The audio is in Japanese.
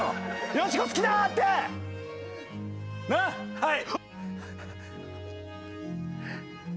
はい。